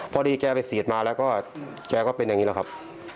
พอดีแกไปเสียดมาแล้วก็แกก็เป็นอย่างนี้แหละครับ